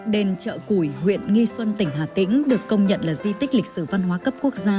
đền chợ củi huyện nghi xuân tỉnh hà tĩnh được công nhận là di tích lịch sử văn hóa cấp quốc gia